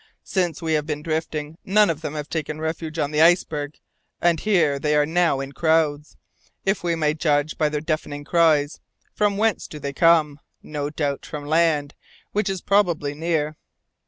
"Since we have been drifting, none of them have taken refuge on the iceberg, and here they are now in crowds, if we may judge by their deafening cries. From whence do they come? No doubt from land, which is probably near."